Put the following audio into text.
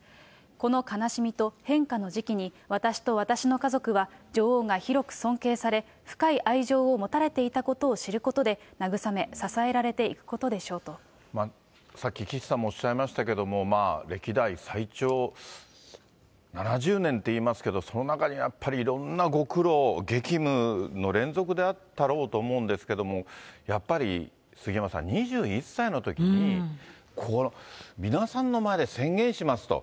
この悲しみと変化の時期に、私と私の家族は女王が広く尊敬され、深い愛情を持たれていたことを知ることで、慰め、さっき岸さんもおっしゃいましたけれども、歴代最長、７０年っていいますけど、その中にはやっぱりいろんなご苦労、激務の連続であったろうと思うんですけども、やっぱり杉山さん、２１歳のときにこれ、皆さんの前で宣言しますと。